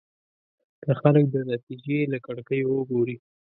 که خلک د نتيجې له کړکيو وګوري.